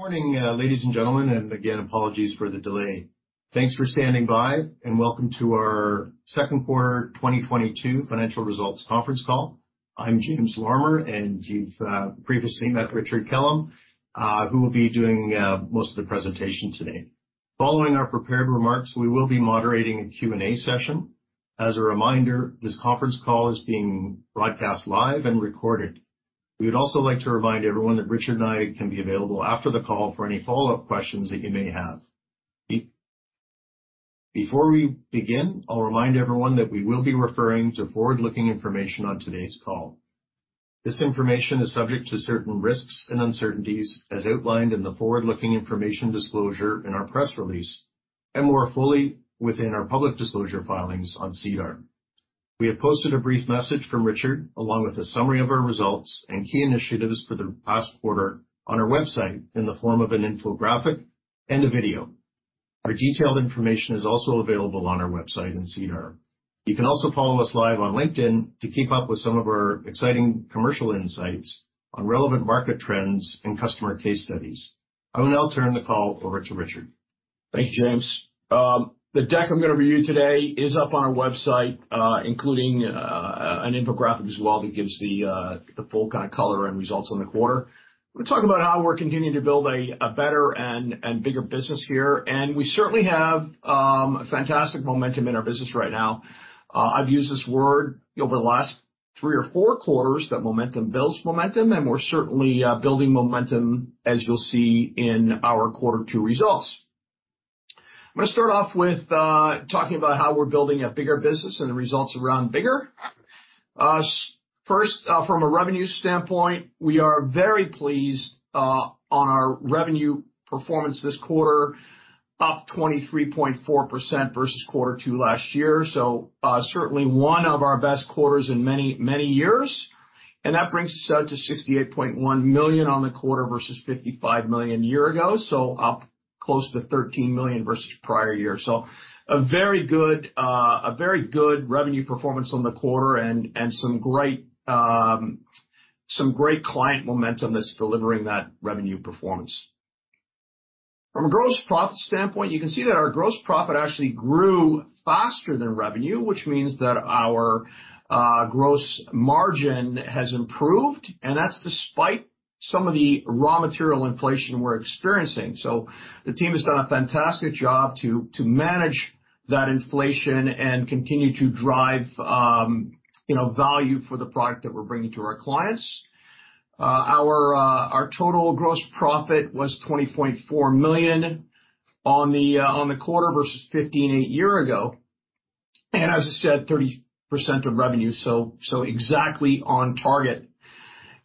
Morning, ladies and gentlemen, and again, apologies for the delay. Thanks for standing by, and welcome to our second quarter 2022 financial results conference call. I'm James Lorimer, and you've previously met Richard Kellam, who will be doing most of the presentation today. Following our prepared remarks, we will be moderating a Q&A session. As a reminder, this conference call is being broadcast live and recorded. We would also like to remind everyone that Richard and I can be available after the call for any follow-up questions that you may have. Before we begin, I'll remind everyone that we will be referring to forward-looking information on today's call. This information is subject to certain risks and uncertainties, as outlined in the forward-looking information disclosure in our press release, and more fully within our public disclosure filings on SEDAR. We have posted a brief message from Richard, along with a summary of our results and key initiatives for the past quarter on our website in the form of an infographic and a video. Our detailed information is also available on our website in SEDAR. You can also follow us live on LinkedIn to keep up with some of our exciting commercial insights on relevant market trends and customer case studies. I will now turn the call over to Richard. Thank you, James. The deck I'm gonna review today is up on our website, including an infographic as well that gives the full kind of color and results on the quarter. We'll talk about how we're continuing to build a better and bigger business here, and we certainly have fantastic momentum in our business right now. I've used this word over the last three or four quarters that momentum builds momentum, and we're certainly building momentum, as you'll see in our quarter two results. I'm gonna start off with talking about how we're building a bigger business and the results around bigger. First, from a revenue standpoint, we are very pleased on our revenue performance this quarter, up 23.4% versus quarter two last year, certainly one of our best quarters in many years. That brings us out to 68.1 million on the quarter versus 55 million a year ago, so up close to 13 million versus prior year. A very good revenue performance on the quarter and some great client momentum that's delivering that revenue performance. From a gross profit standpoint, you can see that our gross profit actually grew faster than revenue, which means that our gross margin has improved, and that's despite some of the raw material inflation we're experiencing. The team has done a fantastic job to manage that inflation and continue to drive, you know, value for the product that we're bringing to our clients. Our total gross profit was 20.4 million for the quarter versus 15.8 million a year ago. As I said, 30% of revenue, so exactly on target.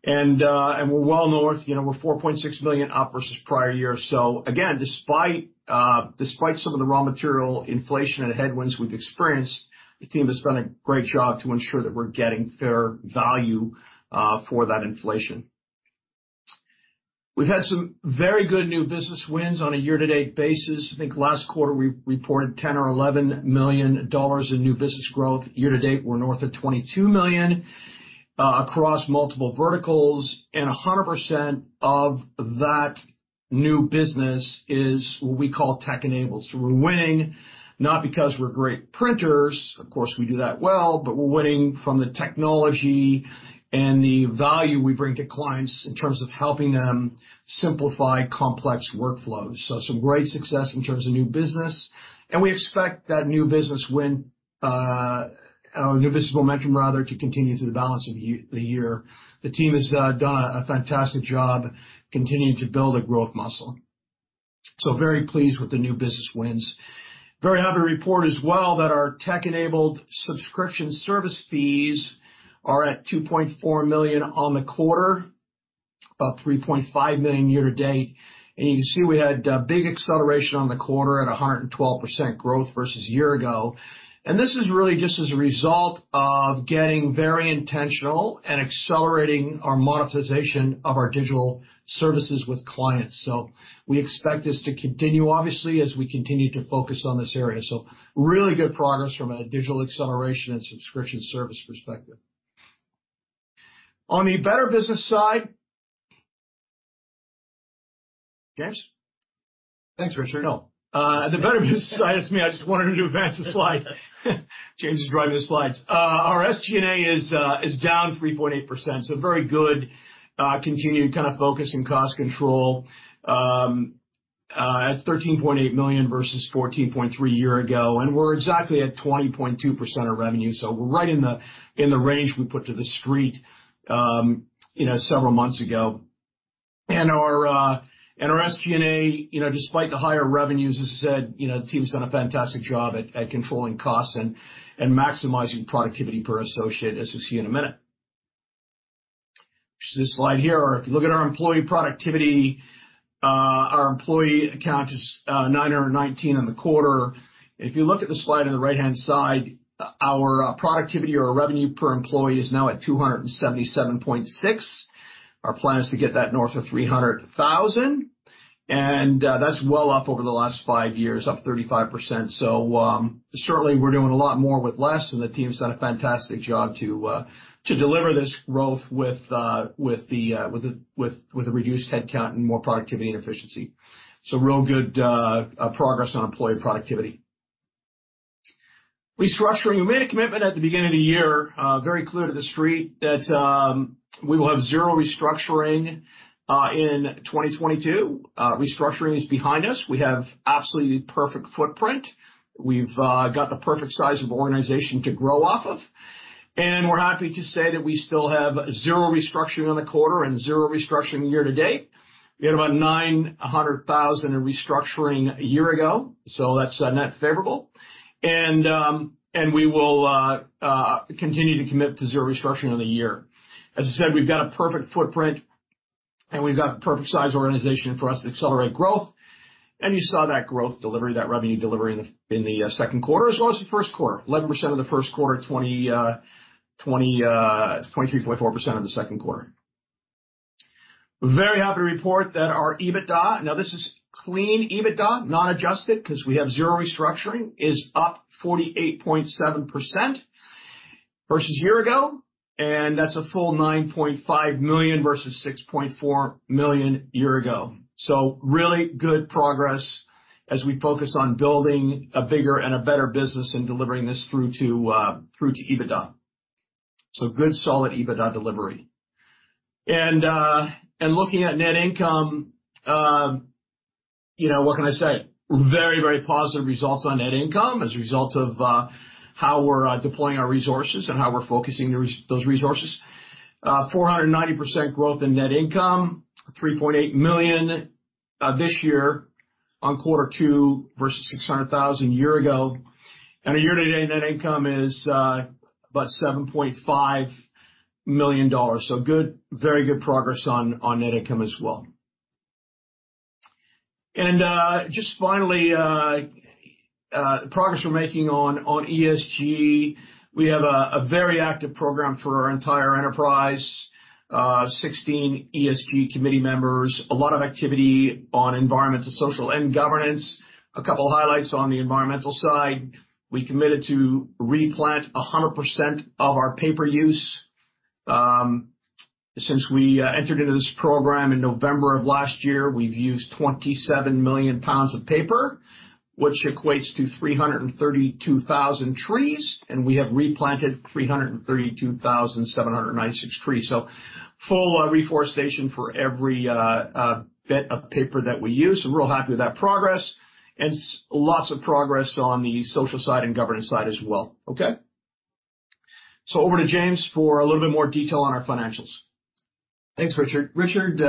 We're well north. You know, we're 4.6 million up versus prior year. Again, despite some of the raw material inflation and headwinds we've experienced, the team has done a great job to ensure that we're getting fair value for that inflation. We've had some very good new business wins on a year-to-date basis. I think last quarter we reported 10 million or 11 million dollars in new business growth. Year to date, we're north of 22 million across multiple verticals, and 100% of that new business is what we call tech-enabled. We're winning, not because we're great printers, of course, we do that well, but we're winning from the technology and the value we bring to clients in terms of helping them simplify complex workflows. Some great success in terms of new business, and we expect that new business win, or new business momentum rather, to continue through the balance of the year. The team has done a fantastic job continuing to build a growth muscle. Very pleased with the new business wins. Very happy to report as well that our tech-enabled subscription service fees are at 2.4 million on the quarter, about 3.5 million year to date. You can see we had big acceleration in the quarter at 112% growth versus a year ago. This is really just as a result of getting very intentional and accelerating our monetization of our digital services with clients. We expect this to continue, obviously, as we continue to focus on this area. Really good progress from a digital acceleration and subscription service perspective. On the B2B side, James? Thanks, Richard. No. The better business side. It's me. I just wanted to advance the slide. James is driving the slides. Our SG&A is down 3.8%, so very good, continued kind of focus in cost control, at 13.8 million versus 14.3 million a year ago. We're exactly at 20.2% of revenue, so we're right in the range we put to the street, you know, several months ago. Our SG&A, you know, despite the higher revenues, as I said, you know, the team's done a fantastic job at controlling costs and maximizing productivity per associate, as you'll see in a minute. Which is this slide here. If you look at our employee productivity, our employee count is 919 on the quarter. If you look at the slide on the right-hand side, our productivity or revenue per employee is now at 277.6. Our plan is to get that north of 300,000. That's well up over the last five years, up 35%. Certainly we're doing a lot more with less, and the team's done a fantastic job to deliver this growth with the reduced headcount and more productivity and efficiency. Real good progress on employee productivity. Restructuring. We made a commitment at the beginning of the year, very clear to the street that we will have zero restructuring in 2022. Restructuring is behind us. We have absolutely the perfect footprint. We've got the perfect size of organization to grow off of, and we're happy to say that we still have zero restructuring in the quarter and zero restructuring year to date. We had about 900,000 in restructuring a year ago, so that's a net favorable. We will continue to commit to zero restructuring in the year. As I said, we've got a perfect footprint, and we've got the perfect size organization for us to accelerate growth. You saw that growth delivery, that revenue delivery in the second quarter, as well as the first quarter. 11% of the first quarter, 23.4% in the second quarter. Very happy to report that our EBITDA, now this is clean EBITDA, not adjusted, 'cause we have zero restructuring, is up 48.7% versus a year ago, and that's a full 9.5 million versus 6.4 million a year ago. Really good progress as we focus on building a bigger and a better business and delivering this through to EBITDA. Good, solid EBITDA delivery. Looking at net income, you know, what can I say? Very, very positive results on net income as a result of how we're deploying our resources and how we're focusing those resources. 490% growth in net income, 3.8 million this year on quarter two versus 600,000 a year ago. Our year-to-date net income is about 7.5 million dollars. Good, very good progress on net income as well. Just finally, progress we're making on ESG. We have a very active program for our entire enterprise. 16 ESG committee members. A lot of activity on environmental, social, and governance. A couple highlights on the environmental side. We committed to replant 100% of our paper use. Since we entered into this program in November of last year, we've used 27 million pounds of paper, which equates to 332,000 trees, and we have replanted 332,796 trees. Full reforestation for every bit of paper that we use. Real happy with that progress. Lots of progress on the social side and governance side as well. Okay? Over to James for a little bit more detail on our financials. Thanks, Richard. Richard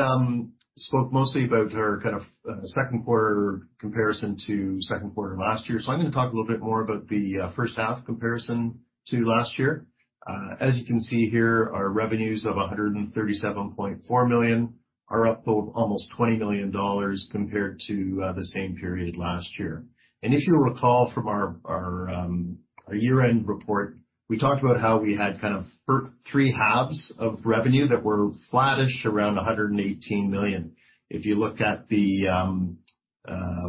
spoke mostly about our kind of second quarter comparison to second quarter last year. I'm gonna talk a little bit more about the first half comparison to last year. As you can see here, our revenues of 137.4 million are up almost 20 million dollars compared to the same period last year. If you recall from our year-end report, we talked about how we had kind of three halves of revenue that were flattish around 118 million. If you look at the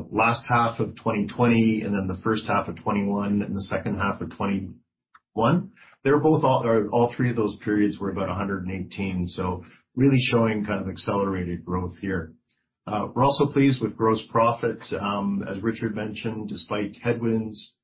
last half of 2020 and then the first half of 2021 and the second half of 2021, all three of those periods were about 118 million, so really showing kind of accelerated growth here. We're also pleased with gross profit. As Richard mentioned, despite headwinds,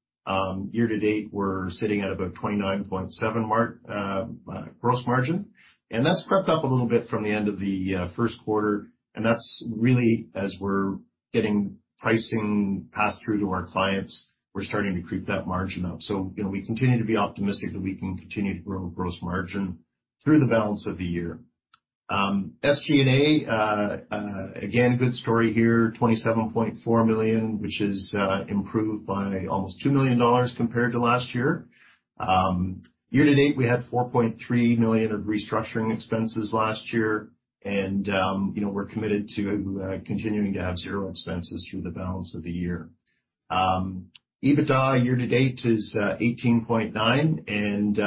year to date, we're sitting at about 29.7% gross margin, and that's crept up a little bit from the end of the first quarter, and that's really as we're getting pricing passed through to our clients, we're starting to creep that margin up. You know, we continue to be optimistic that we can continue to grow gross margin through the balance of the year. SG&A, again, good story here, 27.4 million, which is improved by almost 2 million dollars compared to last year. Year to date, we had 4.3 million of restructuring expenses last year, and you know, we're committed to continuing to have zero expenses through the balance of the year. EBITDA year to date is 18.9.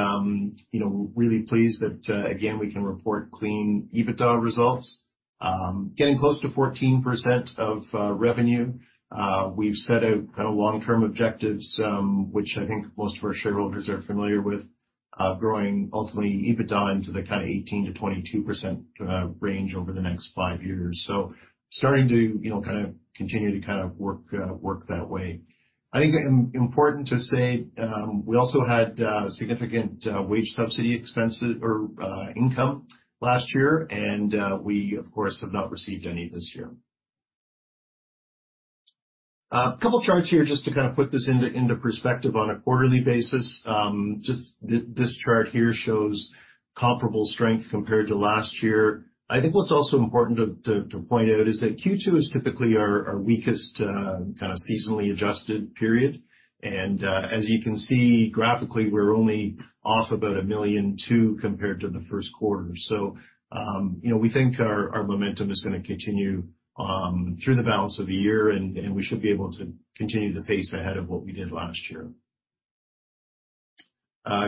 You know, really pleased that again, we can report clean EBITDA results. Getting close to 14% of revenue. We've set out kind of long-term objectives, which I think most of our shareholders are familiar with, growing ultimately EBITDA into the kind of 18%-22% range over the next five years. Starting to, you know, kind of continue to kind of work that way. I think important to say, we also had significant wage subsidy expenses or income last year, and we of course have not received any this year. A couple charts here just to kind of put this into perspective on a quarterly basis. Just this chart here shows comparable strength compared to last year. I think what's also important to point out is that Q2 is typically our weakest kind of seasonally adjusted period. As you can see graphically, we're only off about 1.2 million compared to the first quarter. You know, we think our momentum is gonna continue through the balance of the year and we should be able to continue to pace ahead of what we did last year.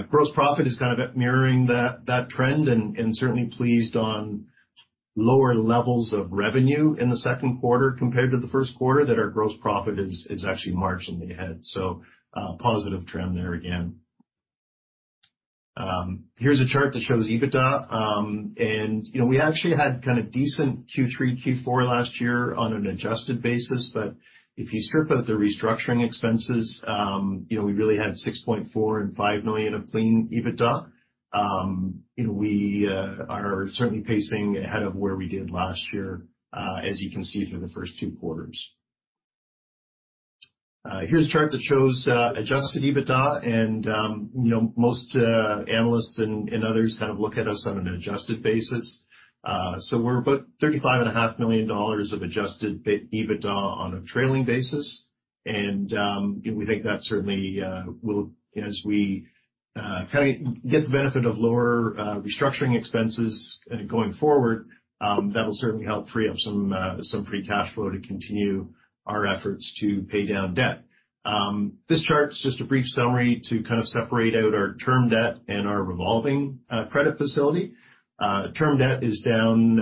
Gross profit is kind of mirroring that trend and certainly pleased on lower levels of revenue in the second quarter compared to the first quarter that our gross profit is actually marginally ahead. Positive trend there again. Here's a chart that shows EBITDA. You know, we actually had kind of decent Q3, Q4 last year on an adjusted basis. If you strip out the restructuring expenses, you know, we really had 6.4 and 5 million of clean EBITDA. We are certainly pacing ahead of where we did last year, as you can see for the first two quarters. Here's a chart that shows adjusted EBITDA and, you know, most analysts and others kind of look at us on an adjusted basis. We're about 35.5 million dollars of adjusted EBITDA on a trailing basis. We think that certainly will as we kind of get the benefit of lower restructuring expenses going forward, that'll certainly help free up some free cash flow to continue our efforts to pay down debt. This chart is just a brief summary to kind of separate out our term debt and our revolving credit facility. Term debt is down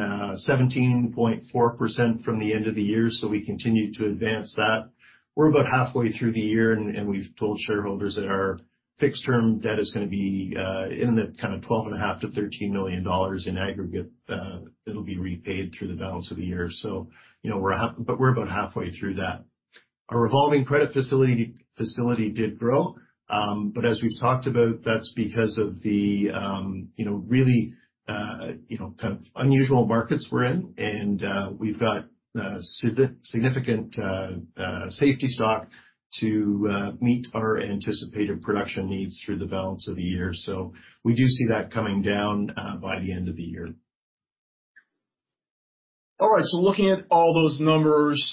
17.4% from the end of the year, so we continue to advance that. We're about halfway through the year, and we've told shareholders that our fixed-term debt is gonna be in the kind of 12.5 million-13 million dollars in aggregate. It'll be repaid through the balance of the year, so you know, but we're about halfway through that. Our revolving credit facility did grow. As we've talked about, that's because of the you know, really you know, kind of unusual markets we're in. We've got significant safety stock to meet our anticipated production needs through the balance of the year. We do see that coming down by the end of the year. All right, looking at all those numbers,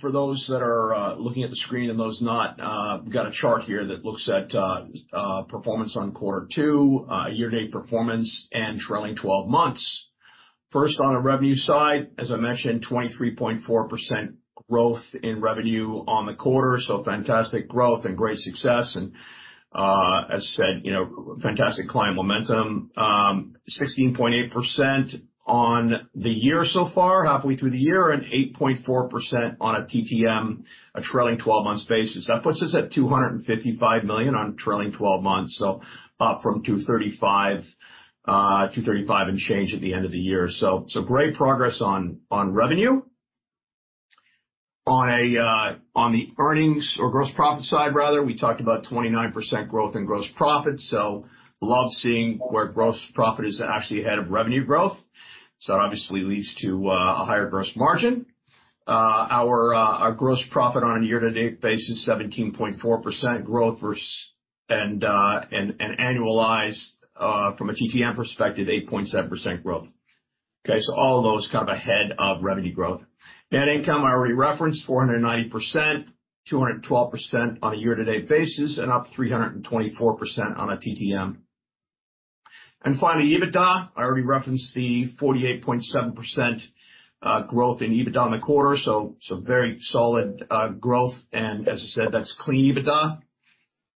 for those that are looking at the screen and those not, we've got a chart here that looks at performance on quarter two, year-to-date performance and trailing twelve months. First, on a revenue side, as I mentioned, 23.4% growth in revenue on the quarter, so fantastic growth and great success. As said, you know, fantastic client momentum. 16.8% on the year so far, halfway through the year, and 8.4% on a TTM, a trailing twelve months basis. That puts us at 255 million on trailing twelve months, so up from 235 million and change at the end of the year. Great progress on revenue. On the earnings or gross profit side rather, we talked about 29% growth in gross profit. Love seeing where gross profit is actually ahead of revenue growth. That obviously leads to a higher gross margin. Our gross profit on a year-to-date basis, 17.4% growth versus an annualized from a TTM perspective, 8.7% growth. Okay. All those kind of ahead of revenue growth. Net income I already referenced, 490%, 212% on a year-to-date basis, and up 324% on a TTM. Finally, EBITDA. I already referenced the 48.7% growth in EBITDA on the quarter, so very solid growth. As I said, that's clean EBITDA.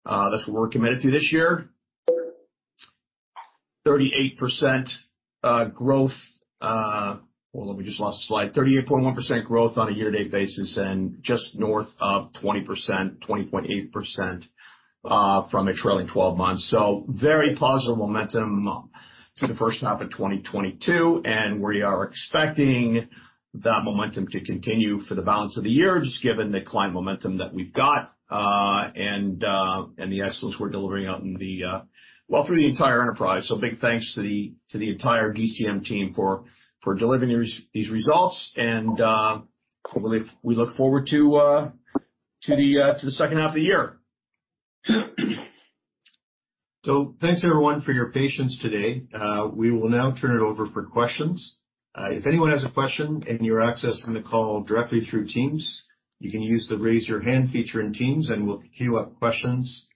That's what we're committed to this year. 38% growth. Hold on, we just lost the slide. 38.1% growth on a year-to-date basis and just north of 20%, 20.8%, from a trailing twelve months. Very positive momentum through the first half of 2022, and we are expecting that momentum to continue for the balance of the year, just given the client momentum that we've got, and the excellence we're delivering through the entire enterprise. Big thanks to the entire DCM team for delivering these results. We look forward to the second half of the year. Thanks everyone for your patience today. We will now turn it over for questions. If anyone has a question and you're accessing the call directly through Teams, you can use the Raise Your Hand feature in Teams and we'll queue up questions.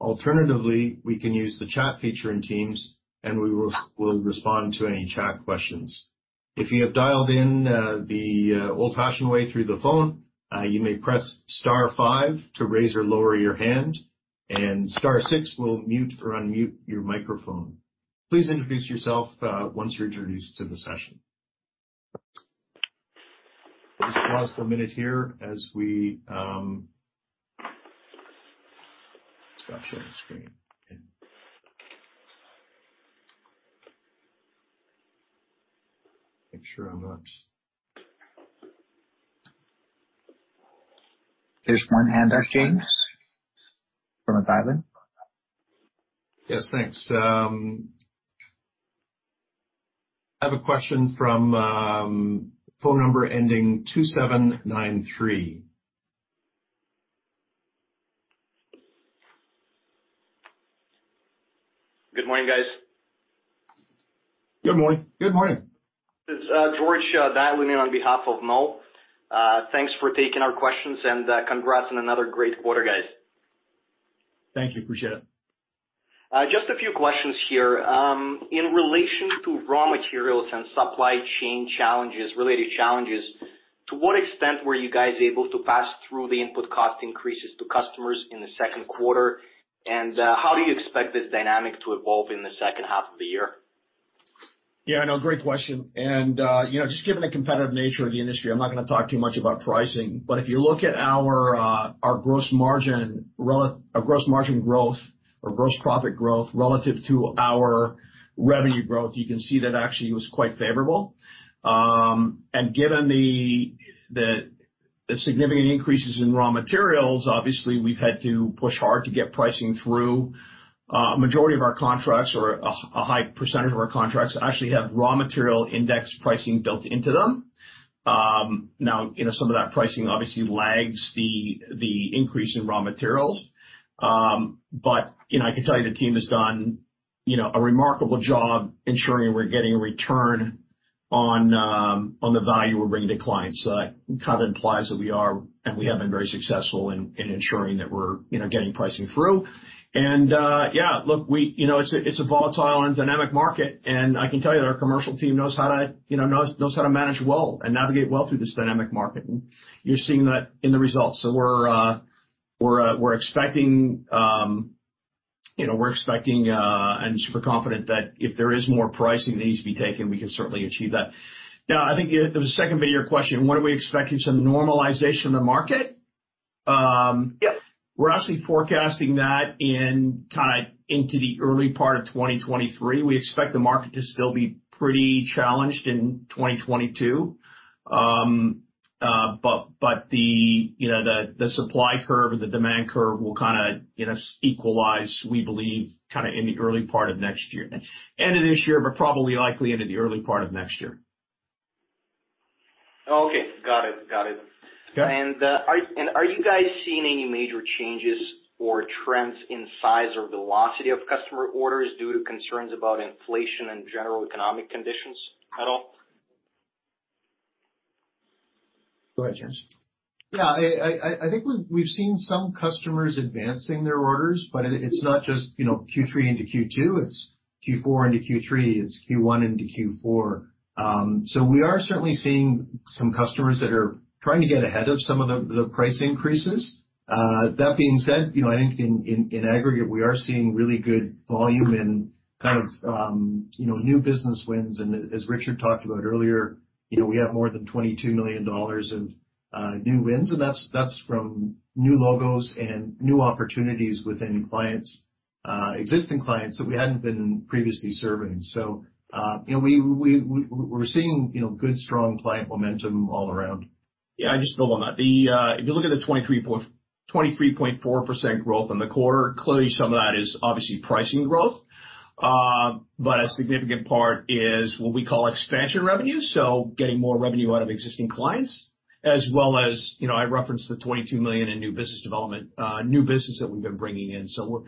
Alternatively, we can use the chat feature in Teams, and we'll respond to any chat questions. If you have dialed in, the old-fashioned way through the phone, you may press star five to raise or lower your hand, and star six will mute or unmute your microphone. Please introduce yourself once you're introduced to the session. Just pause for a minute here as we stop sharing screen. Make sure I'm not. There's one hand up, James, from a dial-in. Yes, thanks. I have a question from phone number ending 2793. Good morning, guys. Good morning. Good morning. This is George dialing in on behalf of Mo. Thanks for taking our questions and congrats on another great quarter, guys. Thank you. Appreciate it. Just a few questions here. In relation to raw materials and supply chain challenges, to what extent were you guys able to pass through the input cost increases to customers in the second quarter? How do you expect this dynamic to evolve in the second half of the year? Yeah, no, great question. You know, just given the competitive nature of the industry, I'm not gonna talk too much about pricing, but if you look at our gross margin growth or gross profit growth relative to our revenue growth, you can see that actually it was quite favorable. Given the significant increases in raw materials, obviously we've had to push hard to get pricing through. Majority of our contracts or a high percentage of our contracts actually have raw material index pricing built into them. Now, you know, some of that pricing obviously lags the increase in raw materials. You know, I can tell you the team has done a remarkable job ensuring we're getting a return on the value we're bringing to clients. That kind of implies that we are, and we have been very successful in ensuring that we're, you know, getting pricing through. Yeah, look, we, you know, it's a volatile and dynamic market, and I can tell you that our commercial team knows how to, you know, manage well and navigate well through this dynamic market. You're seeing that in the results. We're expecting, you know, and super confident that if there is more pricing that needs to be taken, we can certainly achieve that. Now, I think the second bit of your question, when are we expecting some normalization in the market? Yes. We're actually forecasting that in kinda into the early part of 2023. We expect the market to still be pretty challenged in 2022. You know the supply curve or the demand curve will kinda, you know, equalize, we believe, kinda in the early part of next year. End of this year, but probably likely into the early part of next year. Okay. Got it. Okay. Are you guys seeing any major changes or trends in size or velocity of customer orders due to concerns about inflation and general economic conditions at all? Go ahead, James. Yeah. I think we've seen some customers advancing their orders, but it's not just, you know, Q3 into Q2. It's Q4 into Q3. It's Q1 into Q4. We are certainly seeing some customers that are trying to get ahead of some of the price increases. That being said, you know, I think in aggregate, we are seeing really good volume and kind of, you know, new business wins. As Richard talked about earlier, you know, we have more than 22 million dollars of new wins, and that's from new logos and new opportunities within clients, existing clients that we hadn't been previously serving. You know, we're seeing, you know, good, strong client momentum all around. Yeah, I'll just build on that. If you look at the 23.4% growth in the quarter, clearly some of that is obviously pricing growth. But a significant part is what we call expansion revenue, so getting more revenue out of existing clients as well as, you know, I referenced the 22 million in new business development, new business that we've been bringing in. We've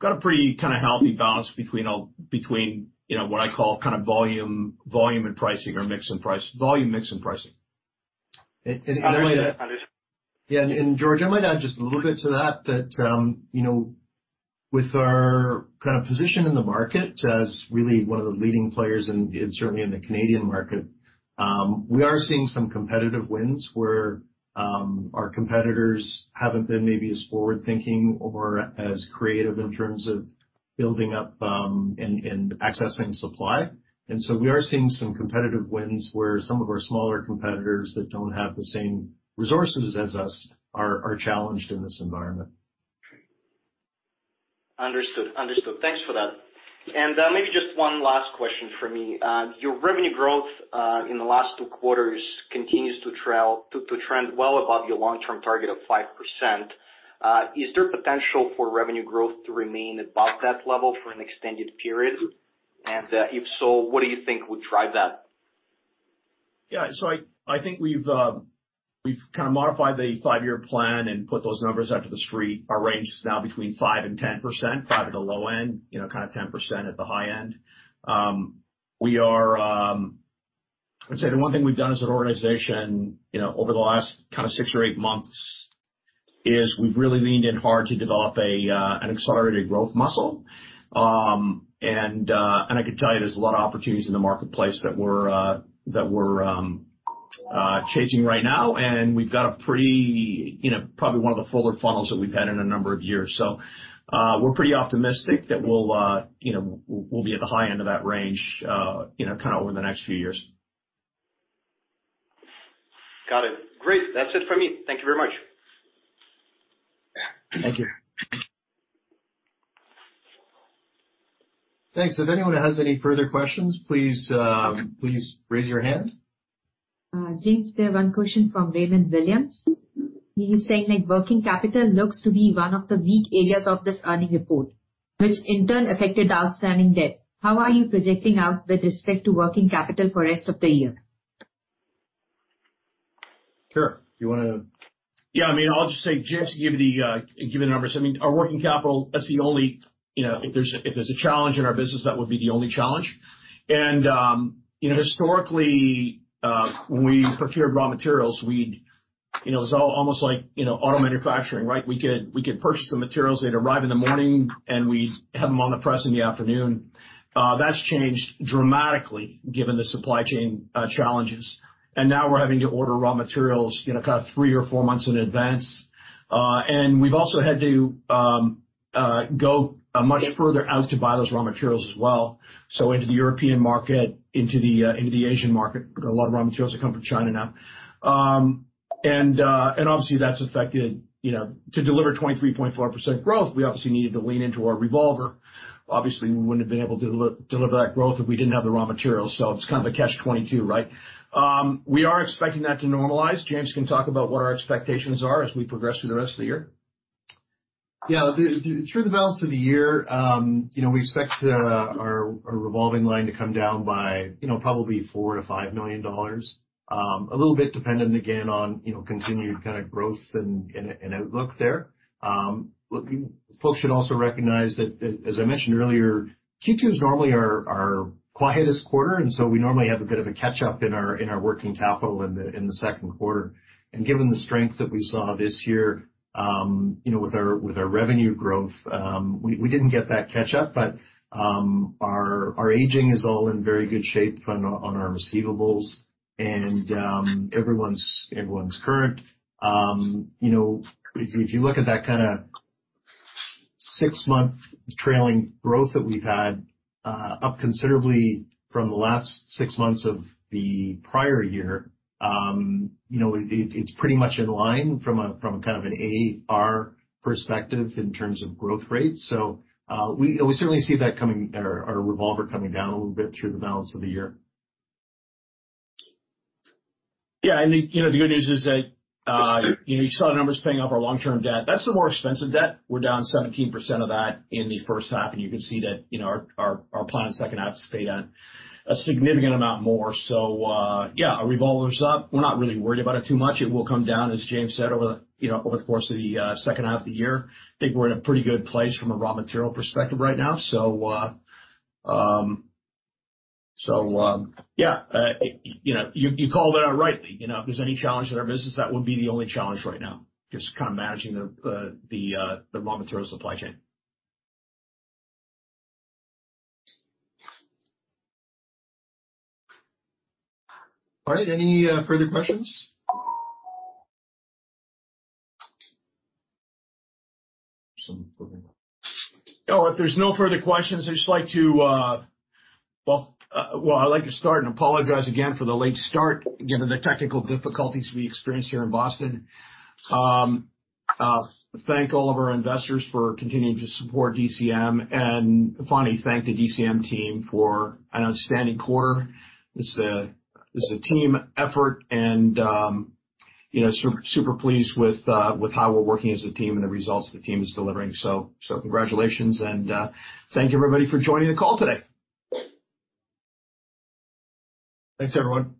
got a pretty kinda healthy balance between, you know, what I call kind of volume mix and pricing. I might add. Understood. Yeah. George, I might add just a little bit to that, you know, with our kind of position in the market as really one of the leading players in certainly in the Canadian market, we are seeing some competitive wins where our competitors haven't been maybe as forward-thinking or as creative in terms of building up and accessing supply. We are seeing some competitive wins where some of our smaller competitors that don't have the same resources as us are challenged in this environment. Understood. Thanks for that. Maybe just one last question from me. Your revenue growth in the last two quarters continues to trend well above your long-term target of 5%. Is there potential for revenue growth to remain above that level for an extended period? If so, what do you think would drive that? Yeah. I think we've kind of modified the five-year plan and put those numbers out to the street. Our range is now between 5% and 10%, 5% at the low end, you know, kind of 10% at the high end. I'd say the one thing we've done as an organization, you know, over the last kind of 6 or 8 months is we've really leaned in hard to develop an accelerated growth muscle. I can tell you, there's a lot of opportunities in the marketplace that we're chasing right now, and we've got a pretty, you know, probably one of the fuller funnels that we've had in a number of years. We're pretty optimistic that we'll, you know, we'll be at the high end of that range, you know, kind of over the next few years. Got it. Great. That's it from me. Thank you very much. Thank you. Thanks. If anyone has any further questions, please raise your hand. James, there's one question from Raymond Williams. He is saying that working capital looks to be one of the weak areas of this earnings report, which in turn affected outstanding debt. How are you projecting out with respect to working capital for the rest of the year? Sure. Do you wanna? Yeah. I mean, I'll just say, James, to give you the numbers. I mean, our working capital, that's the only, you know, if there's a challenge in our business, that would be the only challenge. Historically, you know, when we procured raw materials, you know, it's almost like, you know, auto manufacturing, right? We could purchase the materials, they'd arrive in the morning, and we'd have them on the press in the afternoon. That's changed dramatically given the supply chain challenges. Now we're having to order raw materials, you know, kind of 3 or 4 months in advance. We've also had to go much further out to buy those raw materials as well, so into the European market, into the Asian market. We've got a lot of raw materials that come from China now. Obviously, that's affected, you know, to deliver 23.4% growth, we obviously needed to lean into our revolver. Obviously, we wouldn't have been able to deliver that growth if we didn't have the raw materials, so it's kind of a catch-22, right? We are expecting that to normalize. James can talk about what our expectations are as we progress through the rest of the year. Yeah. Through the balance of the year, you know, we expect our revolving line to come down by, you know, probably 4 million-5 million dollars, a little bit dependent again on, you know, continued kind of growth and outlook there. Folks should also recognize that, as I mentioned earlier, Q2 is normally our quietest quarter, and so we normally have a bit of a catch-up in our working capital in the second quarter. Given the strength that we saw this year, you know, with our revenue growth, we didn't get that catch-up. Our aging is all in very good shape on our receivables and everyone's current. You know, if you look at that kinda six-month trailing growth that we've had, up considerably from the last six months of the prior year, you know, it's pretty much in line from kind of an AR perspective in terms of growth rates. We certainly see that coming or our revolver coming down a little bit through the balance of the year. Yeah. You know, the good news is that, you know, you saw the numbers paying off our long-term debt. That's the more expensive debt. We're down 17% of that in the first half, and you can see that, you know, our plan second half is to pay down a significant amount more. Yeah, our revolver's up. We're not really worried about it too much. It will come down, as James said, over, you know, over the course of the second half of the year. I think we're in a pretty good place from a raw material perspective right now. You know, you called it out rightly. You know, if there's any challenge in our business, that would be the only challenge right now, just kind of managing the raw material supply chain. All right, any further questions? Oh, if there's no further questions, I'd just like to start and apologize again for the late start, given the technical difficulties we experienced here in Boston. Thank all of our investors for continuing to support DCM. Finally, thank the DCM team for an outstanding quarter. This is a team effort and, you know, super pleased with how we're working as a team and the results the team is delivering. Congratulations, and thank you everybody for joining the call today. Thanks, everyone.